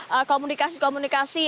dan juga komunikasi komunikasi